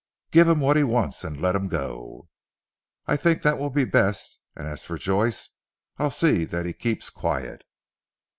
"Give him what he wants and let him go." "I think that will be best, and as for Joyce I'll see that he keeps quiet."